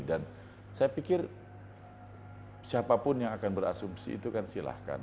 dan saya pikir siapapun yang akan berasumsi itu kan silahkan